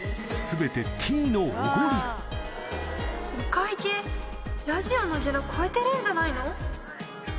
お会計、ラジオのギャラ超えてるんじゃないの？